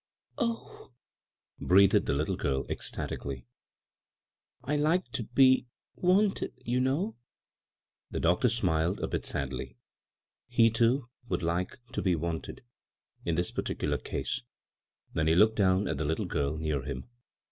" Oh h 1 " breathed the little girl, ecstatic ally. " I like to be — ^wanted, you know." The doctor smiled a bit sadly — he, too, would like " to be wanted " in this particular case — then he looked down at the little giri near him.